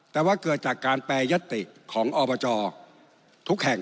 แต่ว่าเกิดจากการแปรยติของอบจทุกแห่ง